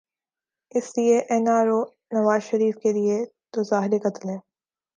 اس لیے N R O Nawaz Sharif کیلئے تو زہر قاتل ہے۔